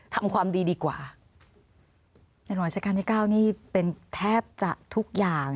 ทำความดีดีกว่าในหลวงราชการที่เก้านี่เป็นแทบจะทุกอย่าง